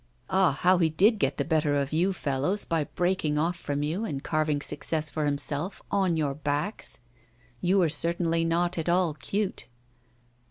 Ah! how he did get the better of you fellows, by breaking off from you and carving success for himself on your backs! You were certainly not at all cute.